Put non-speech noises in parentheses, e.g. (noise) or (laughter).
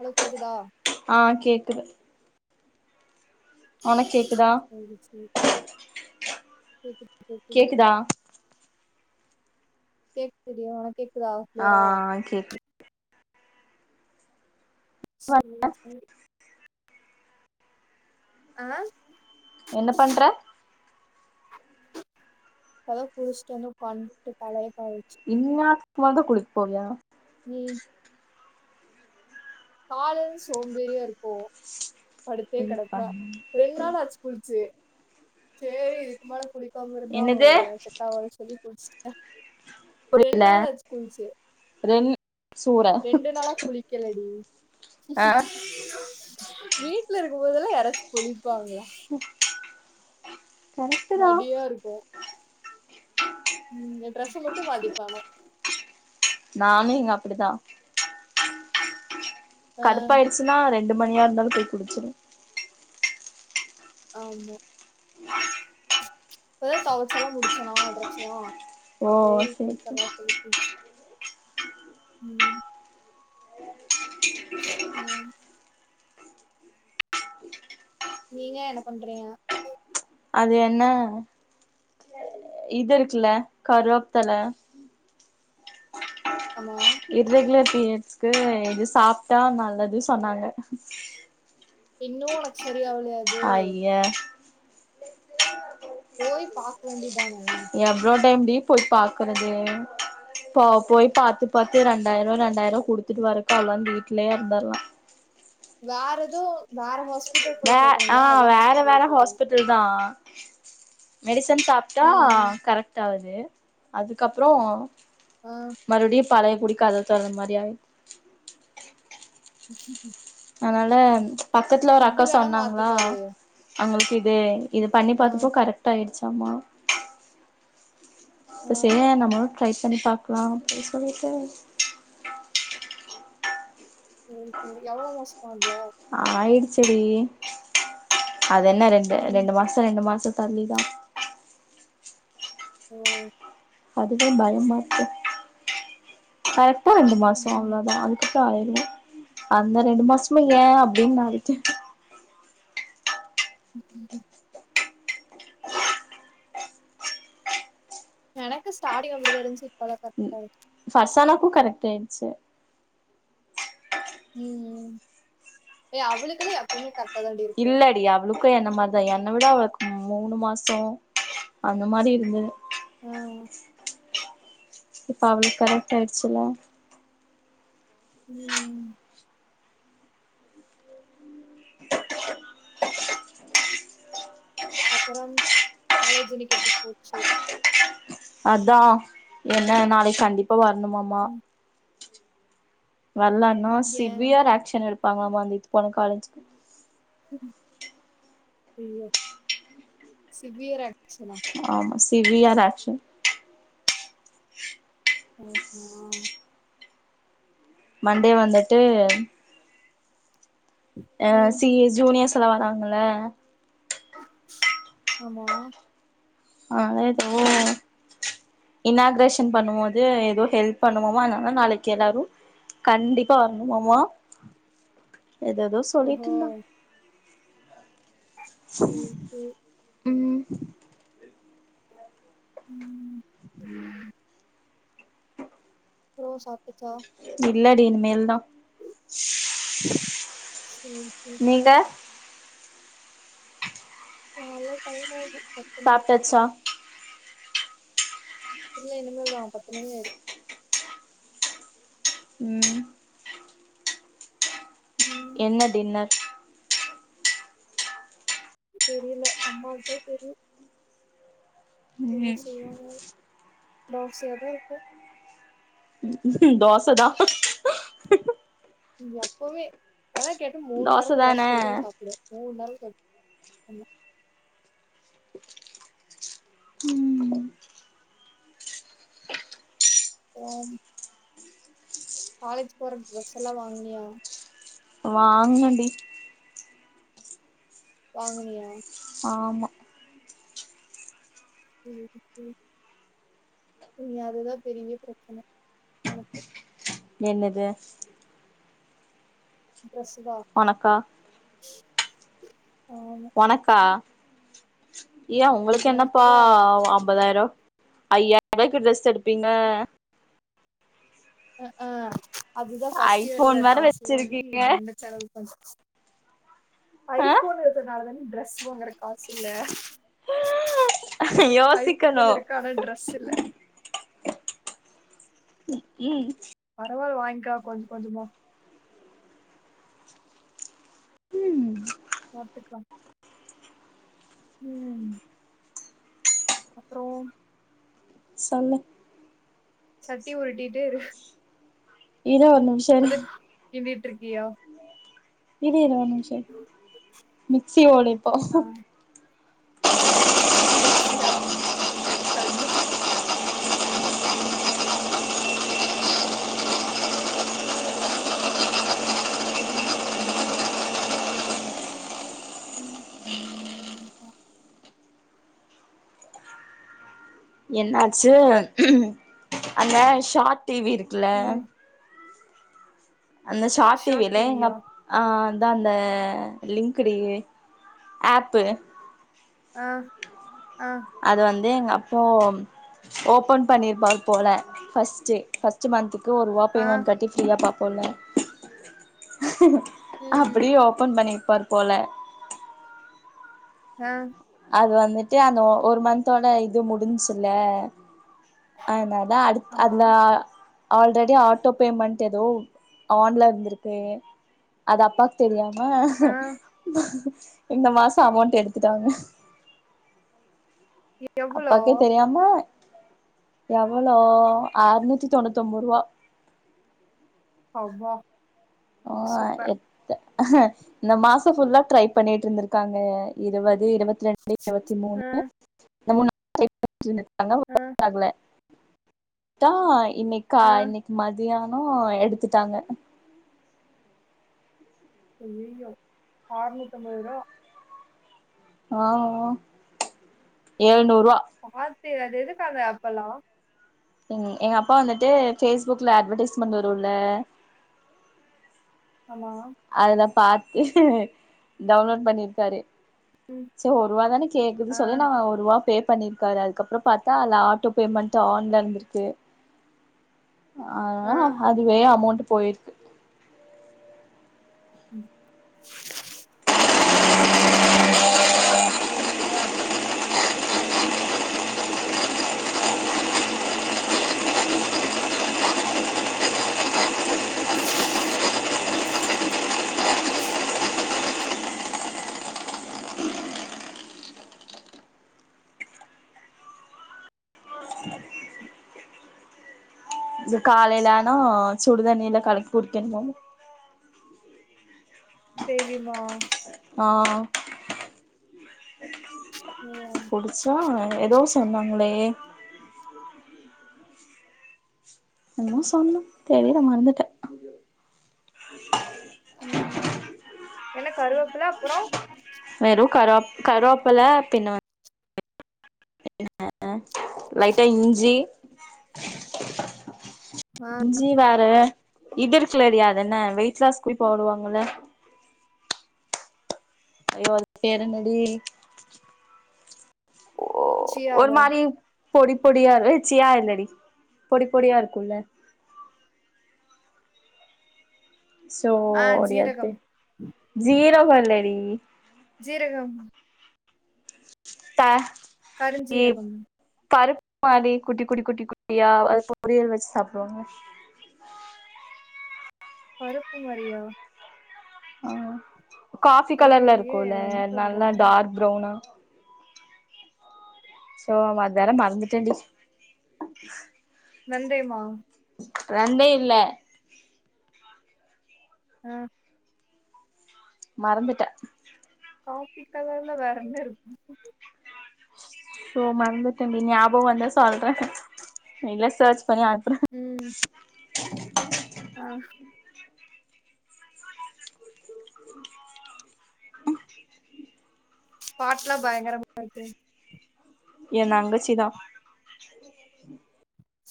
hello கேக்குதா ஆ கேக்குது உனக் கேக்குதா சேரி சேரி கேக்குது கேக்குது கேக்குதா கேக்குது டி உனக்கு கேக்குதா ஆ கிளியரா ஆ கேக்குது சேரி சேரி ஆ என்ன பண்ற தலைக்கு குளிச்சுட்டு வந்து உக்காந்துட்டு தலைய காய வச்சு இன்னுமாத்துக்கு மேலதா குளிக்க போவியா நீம் காலேல சோம்பேரியா இருக்கு படுத்தே கெடப்ப ரெண் நாள் ஆச்சு குளிச்சு சேரி இதுக்கு மேல குளிக்காம இருந்தா என்னது ச ராது சொல்லி குளிச்சிட ரெண் புரியல நாள் ஆச்சு குளிச்சு ரெண் சூற ரெண்டு நாளா குளிக்கலடி ஆ வீட்ல இருக்கும் போதெல்லா யாராச்சு குளிப்பாங்களா ம் மடியா இருக்கும் ம் ட்ரெஸ்ஸ மட்டும் மாத்திப்ப ஆனா நானு இங்க அப்டிதா ஆ கடுப்பாயிருச்சுன்னா ரெண்டு மணியா இருந்தாலு போய் குளிச்சிடுவ ஆமா இப்பதா தொவச்செல்லா முடிச்சனா ட்ரெஸ் எல்லா ஓ சேரி சேரி குளிச்சர்லா சொல்லி குளிச்சிட்ட ம் (inaudible) ம் நீங்க என்ன பண்றீங்க அது என்ன இது இருக்குல கருவேப்பில ஆமா இர்ரெகுலர் பீரியட்ஸ்க்கு இது சாப்ட்டா நல்லது சொன்னாங்க இன்னு உனக்கு சரியாகலையா ஐய போய் பாக்க வேண்டிதான எவ்வளோ டைம் டி போய் பாக்குறது போ போய் பாத்து பாத்து ரெண்டாயிரோ ரெண்டாயிரோ குடுத்துட்டு வரக்கு அல்லா வீட்லயே இருந்தர்லா வேறதோ வேற ஹாஸ் வே ஆ வேற வேற ஹாஸ்பி ட்டல் தா மெடிசன் சாப்ட்டா ம் ம் கரெக் டாகுது அதுக்கப்புறோ ஆ மறுபடியு பழைய கூடி கதவ தொறன் மாரி ஆயி (inaudible) அதனால பக்கத்துல ஒரு ஃபுட்டு அக்கா வேணா சொன்னாங்களா மாத்திப்பாரு அவுங்களுக்கு இது இது பண்ணி ஆ பாத்தப்போ கரெக்ட் ஆயிடுச்சாமா இப்ப ஆ செரியா நம்மளு ட்ரை பண்ணி பாக்கலா அப்டின்னு சொல்லிட்டு ம் ம் எவ்ளோ வருஷமா இல்ல ஆயிடுச்சுடி அது என்ன ரெண்டு ம் ரெண்டு மாச ரெண்டு மாச தள்ளிதா ஓ அதுவே பயமா இருக்கு கரெக்டா ரெண்டு மாச ம் அவ்ளோதா அதுக்கு தாயில்ல அந்த ரெண்டு மாசமு ஏன் அப்டின்னு நா இருக்கே ம் எனக்கு ஸ்டார்டிங் அப்டிதா இருந்துச்சு இப்ப எல்லா கரெக்ட்டா வருது ஃபர்சானாக்கு கரெக்ட் ஆயிடுச்சு ம் ஏ அவளுக்கெல்லா எப்பவுமே கரெக் இல்லடி அவ்ளுக் கு என்ன மாறிதா என்ன விட அவளுக்கு மூணு மாசோ அந்த மாறி இருந்தது அ இப்ப அவளுக்கு கரெக்ட் ஆயிடிச்சில்ல ம் அப்புறம் காலேஜ் இன்னைக்கு எப்டி போச்சு அதா என்ன நாளைக்கு கண்டிப்பா வரணுமாம்மா ம் வல்லன்னா ஏ சிவியர் ஆக்ஷன் எடுப்பாங்களாம்மா அந்த இத்து போன காலேஜூக்கு ஐய்யோ சிவியர் ஆக்ஷனா ஆமா சிவியர் ஆக்ஷன் ஒ ஓ மண்டே வந்துட்டு அ ம் சீயர்ஸ் ஜூனியர்ஸ் எல்லா வராங்கல்ல ஆமா அனால எதோ இனாக்ரேஷன் பண்ணும் போது எதோ ஹெல்ப் பண்ணணுமா அதனால நாளைக்கு எல்லாரு கண்டிப்பா வரணுமாமா ஏதேதோ சொல்லிட்டு ஓஹோ இருந்தாங் சரி சரி ம் ம் ம் அப்றோ சாப்டுச்சா இல்லடி இனிமேல்தா சேரி சேரி நீங்க நால்லா டைம் ஆகும் சாப்ட்டாச்சா இல்ல இனிமேல்தா பத்து மணி ஆயிடும் ம் ம் என்ன டின்னர் தெரியல அம்மாவுக்கு தா தெரியு என்ன செய்வாங்களோ தோசையாதா இருக்கு தோச தா நீங்க எப்பவுமே நல்லா கேட்டு மூண்நேரமு தோச குடுத்தா தா சாப்டுவோ எவ வந்தாலு செரி பண்ணு ம் பறாம் காலேஜ் போற ட்ரெஸ் எல்லா வாங்னியா வாங்குனனு டி வாங்குனியா ஆமா சேரி சேரி இனி அதுதா பெரியவே பிரெச்சன எனக்கு என்னது டிரெஸ்சு தா ஒனக்கா ஆமா ஒனக்கா யே உங்களுக்கு என்னப்பா எனக்குதா அம்பதாயிரோ ஐய்யாயிர ரூபாய்கு டிரெஸ் எடுப்பீங்க அ ஆ அதுதா ஃபஸ்ட்டு ஐபோன் இயர்ல வேற காசு வாங்கி வச்சிருக்கீங்க தண்ட செலவு பண்ண ஆ ஐஃபோன் இருக்குறனால தான ட்ரெஸ் வாங்குற காசு இல்ல யோசிக்கணு ஐஃபோன் இருக்கு ஆனா ட்ரெஸ் இல்ல க் ஏய் பரவால வாங்கிலா கொஞ்ச கொஞ்சமா ம் பாத்துக்கலா ம் அப்றோ சொல்லு சட்டி உரிட்டிட்டே இரு இரு ஒரு நிமிஷ் அது கிண்டிட்டு ருக்கியா இரு இரு ஒரு நிமிஷோ இரு மிக்சி ஓடு இப்போ ஆ மிக்ஸியா அய்யோ தேக் மார்க் ஓ ம் அது இன்னுமா வரலை என்னாச்சு அங்க ஷார்ட் டிவி இருக்குல ம் அந்த ஷார்ட் டிவில எங்க அப் ஆ அதா அந்த லிங்க்டுயே அப்பு ஆ ஆ அது வந்து எங்க அப்போம் ஓப்பன் பண்ணியிருப்பார் போல ஃபஸ்ட்டே ஃபஸ்ட்டு மந்த்துக்கு ஒர்வா ஆ பேமெண்ட் கட்டி ஃப்ரீயா பாப்போல ம் அப்டி ஓபன் பண்ணிர் பார் போல ஆ அது வந்துட்டு அந்த ஒ ஒரு மந்த்தோட இது முடிஞ்ச்சுல்ல அதனால தா அடுத் ஆமா அதுல ஆல்ரெடி ஆட்டோ பேமெண்ட் எதோ ஆன்ல இருந்திருக்கு அது அப்பாக்கு தெரியாது ஆ ஆஹ் இந்த மாசோ அமௌண்ட் எடுத்துட்டாங்க எவ்ளோ அப்பாக்கே தெரியாம எவ்வளோ ஆறநூத்தி தொண்ணூத்தி ஒம்பது ரூவா அப்பா ஆ சூப்பர் எத்த இந்த மாசோ ஃபுல்லா ட்ரை பண்ணிட்டு இருந்திருக்காங்க இருவது இருவத்தி ரெண்டு இருவத்தி மூணு ஆ இந்த மூணு ட்ரை பண்ணிட்டு இருந்துருக்காங்க அ டாகல ட்டா இன்னைக்கா ஆ கா மதியானோ எடுத்துட்டாங்க ஐய்யய்யோ அறுநூத்தம்பது ரூவா ஆ ஏழுநூறுவா ஆத்தி அது எதுக்கு அந்த ஆப்பல்லா எங் எங்க அப்பா வந்துட்டு ஃபேஸ்புக்ல அட்வர்டைஸ்மெண்ட் வருல்ல ஆமா அதுல பாத்து டவுன்லோட் பண்ணிருக்காரு செரி ஒரு ரூவா தானே ஆ கேக்குது சொல்லி நாங்க ஒருவா பேப் பண்ணிருக்காரு அதுக்கப்புறோ பாத்தா அதுல ஆட்டோ பேமெண்ட் ஆன்ல இருந்திருக்கு அதா ஆ அதுவே அமௌண்ட் போயிருக்கு ம் போச்சா ஏழுநூறுவா (unintelligible) இது காலையிலானா சுடுதண்ணில கலக்கி குடிக்கணமா டெய்லியுமா ஆ ஓ முடிச்சா வேற எதோ சொன்னாங்களே என்னவோ சொன்னா தெரில மறந்துட்டே ம் என்ன கருவேப்புல அப்பற வெறு கருவேப் கருவேப்பல பின்ன ன லைட்டா இஞ்சி இஞ்சி வேற இது இருக்குலடி அதென்ன வெயிட் லாஸ்க்கு போடுவாங்கள்ல ஐயோ அது பேரு என்னடி ஓ ஒரு சீயாவா மாரி பொடி பொடியா இரு சியா இல்லடி பொடி பொடியா இருக்குல்ல ஆ சோ‌ரி அது ஜீரகம் ஜீரகோ இல்லடி ஜீரகம் ட்ட கருஞ்சீரகம் பருப்பு மாறி குட்டி குட்டி குட்டி குட்டியா அது பொரியல் வெச்சு சாப்பிடுவாங்க பருப்பு மாறியா ஆ காஃபி கலர்ல தெரியலையே இருக்குல்ல என்ன நல்லா சொல்றேன்னு டார்க் ப்ரௌனா சோ மத்யான மறந்துட்டேன்டி வெந்தயம்மா வெந்தய இல்ல ஆ மறந்துட்டே காபி கலர்ல வேற என்ன இருக்கு சோ மறந்துட்டேன்டி ஞாபக வந்தா சொல்றே இல்ல சர்ச் பண்ணி அனுப்புறே ம் ஆ பாட்டுலா பயங்கரமா இருக்கு என் தங்கச்சிதா